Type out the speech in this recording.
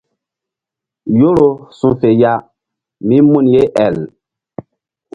Yoro su̧ fe ya mí mun ye el.